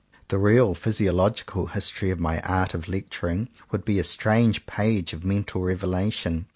The real physiological history of my "art of lectur ing" would be a strange page of mental revelation.